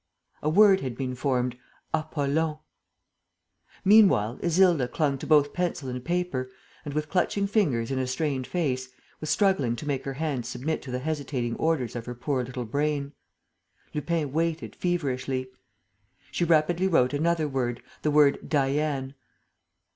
A word had been formed: "APOLLON." Meanwhile, Isilda clung to both pencil and paper and, with clutching fingers and a strained face, was struggling to make her hand submit to the hesitating orders of her poor little brain. Lupin waited, feverishly. She rapidly wrote another word, the word "DIANE."